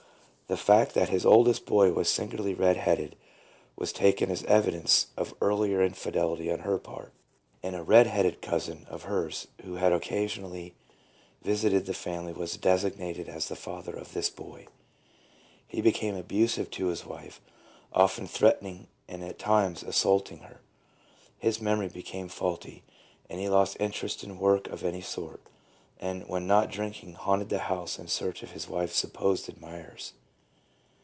The fact that his oldest boy was singularly red headed was taken as evidence of earlier infidelity on her part, and a red headed cousin of hers who had occasionally visited the family was designated as the father of this boy. He became abusive to his wife, often threaten ing and at times assaulting her. His memory became faulty, and he lost interest in work of any sort, and when not drinking haunted the house in search of his wife's supposed admirers.